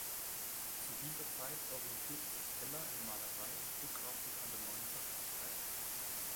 Zu dieser Zeit orientierte sich Heller in Malerei und Druckgrafik an der Neuen Sachlichkeit.